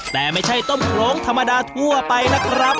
แต่ไม่ใช่ต้มโรงธรรมดาทั่วไปนะครับ